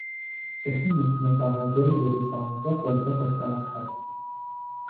Цӏыхум мыхумыщӏагъэ гуэр зэрищӏамкӏэ къуэды къытралъхьэрт.